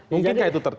mungkin kayak itu